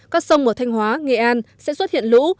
các sông ở thanh hóa nghệ an sẽ xuất hiện lũ